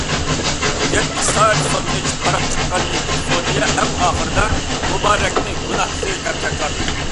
يەتتە سائەت سوت ئېچىپ قاراپ چىققاندىن كېيىن، سودىيە ئەڭ ئاخىرىدا مۇبارەكنى گۇناھسىز، دەپ جاكارلىدى.